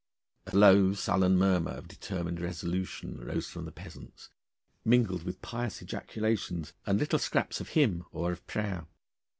A low sullen murmur of determined resolution rose from the peasants, mingled with pious ejaculations and little scraps of hymn or of prayer.